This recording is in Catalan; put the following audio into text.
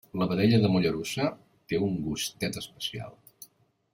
La vedella de Mollerussa té un gustet especial.